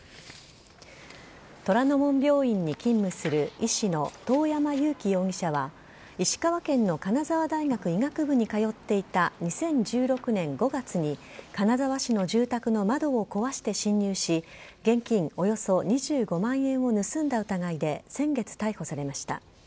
虎の門病院に勤務する医師の遠山友希容疑者は、石川県の金沢大学医学部に通っていた２０１６年５月に、金沢市の住宅の窓を壊して侵入し、現金およそ２５万円を盗んだ疑いで先月逮捕されました。